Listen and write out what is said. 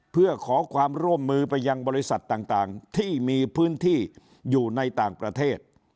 เพื่อขอความร่วมมือไปยังบริษัทต่างที่มีพื้นที่อยู่ในต่างประเทศ